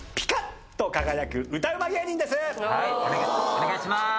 ・お願いします。